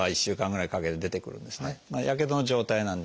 まあやけどの状態なんで。